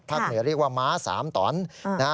ภาคเหนือเรียกว่าม้าสามตอน